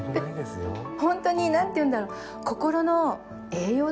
ホントになんていうんだろう。